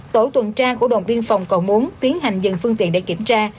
tổ tuần tra của đồng biên phòng còn muốn tiến hành dừng phương tiện để kiểm tra